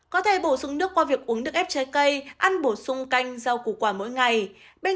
có thể bổ sung nước qua việc uống nước ép trái cây ăn bổ sung canh rau củ quả mỗi ngày